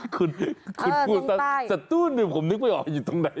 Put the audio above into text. คุณพูดสักสตูนหนึ่งผมนึกไม่ออกอยู่ตรงไหน